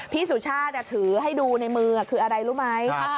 สุชาติถือให้ดูในมือคืออะไรรู้ไหม